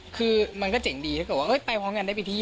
คือมันก็เจ๋งดีถ้าเกิดว่าไปพร้อมกันได้ไปเที่ยว